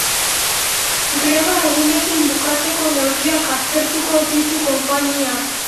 Greba-egunekin bukatzeko neurriak aztertuko ditu konpainiak.